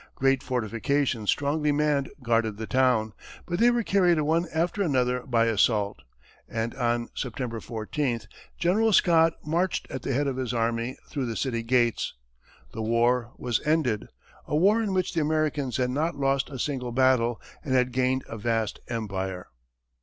Great fortifications strongly manned guarded the town, but they were carried one after another by assault, and on September 14, General Scott marched at the head of his army through the city gates. The war was ended a war in which the Americans had not lost a single battle, and had gained a vast empire.